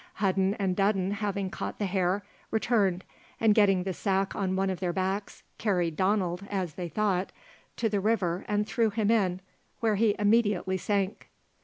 Hudden and Dudden having caught the hare, returned, and getting the sack on one of their backs, carried Donald, as they thought, to the river and threw him in, where he immediately sank.